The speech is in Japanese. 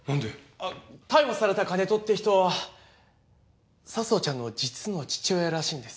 あっ逮捕された金戸って人は佐相ちゃんの実の父親らしいんです。